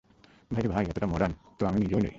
ভাই রে ভাই, এত্ত টা মডার্ণ তো আমি নিজেও নই।